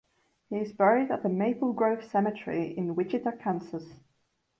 He is buried at the Maple Grove Cemetery in Wichita, Kansas.